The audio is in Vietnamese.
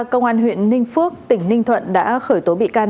công an huyện ninh phước tỉnh ninh thuận đã khởi tố bị can